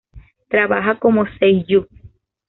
Trabaja como seiyu.